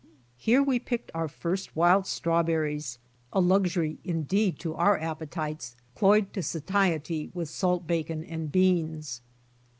Here we picked our first wild strawberries, a luxury indeed to our appetites cloyed to satiety with salt bacon and beans.